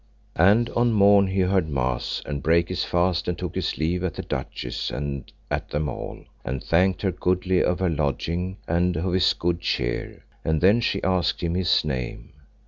And on the morn he heard mass, and brake his fast and took his leave at the duchess, and at them all; and thanked her goodly of her lodging, and of his good cheer; and then she asked him his name.